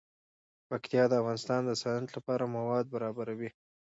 پکتیا د افغانستان د صنعت لپاره مواد برابروي.